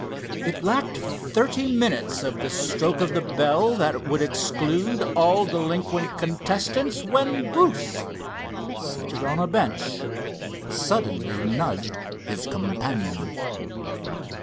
It lacked thirty minutes of the stroke of the bell that would exclude all delinquent contestants, when Bruce, seated on a bench, suddenly nudged his companion.